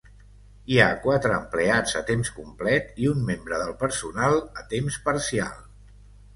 Hi ha quatre empleats a temps complet i un membre del personal a temps parcial.